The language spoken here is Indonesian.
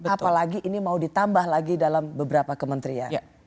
apalagi ini mau ditambah lagi dalam beberapa kementerian